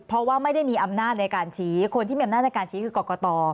เพราะว่าไม่ได้มีอำนาจในการชี้คนที่มีอำนาจในการชี้คือกรกต